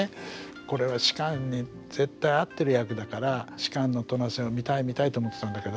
これは芝に絶対合ってる役だから芝の戸無瀬を見たい見たいと思ってたんだけど。